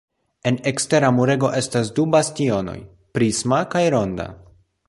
En ekstera murego estas du bastionoj, prisma kaj ronda.